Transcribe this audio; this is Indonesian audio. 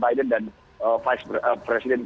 biden dan vice president